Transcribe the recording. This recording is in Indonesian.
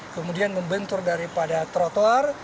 kemudian membentur daripada trotor